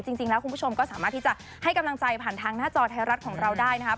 คุณผู้ชมก็สามารถที่จะให้กำลังใจผ่านทางหน้าจอไทยรัฐของเราได้นะครับ